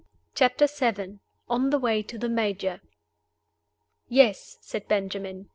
CHAPTER VII. ON THE WAY TO THE MAJOR. "YES," said Benjamin.